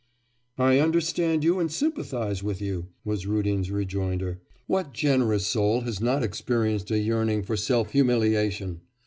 'I understand you and sympathise with you!' was Rudin's rejoinder. 'What generous soul has not experienced a yearning for self humiliation?